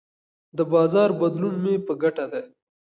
د بازار بدلون مې په ګټه دی.